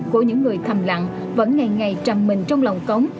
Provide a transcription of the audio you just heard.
của những người thầm lặng vẫn ngày ngày trầm mình trong lòng cống